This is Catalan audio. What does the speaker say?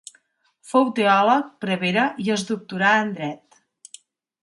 Fou teòleg, prevere i es doctorà en dret.